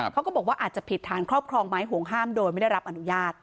เขาก็บอกว่าอาจจะผิดฐานครอบครองไม้ห่วงห้ามโดยไม่ได้รับอนุญาต